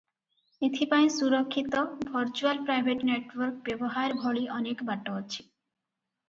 ଏଥି ପାଇଁ ସୁରକ୍ଷିତ "ଭର୍ଚୁଆଲ ପ୍ରାଇଭେଟ ନେଟୱାର୍କ" ବ୍ୟବହାର ଭଳି ଅନେକ ବାଟ ଅଛି ।